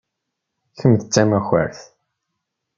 Kemm d tamakart.